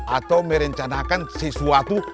atau merencanakan sesuatu